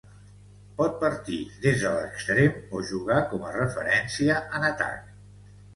Pot partir des de l'extrem o jugar com a referència en atac.